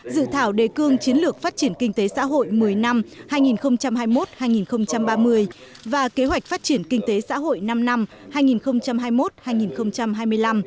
dự thảo đề cương chiến lược phát triển kinh tế xã hội một mươi năm hai nghìn hai mươi một hai nghìn ba mươi và kế hoạch phát triển kinh tế xã hội năm năm hai nghìn hai mươi một hai nghìn hai mươi năm